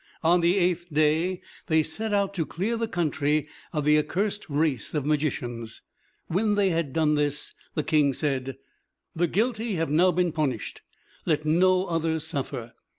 On the eighth day they set out to clear the country of the accursed race of magicians. When they had done this, the King said, "The guilty have now been punished. Let no others suffer.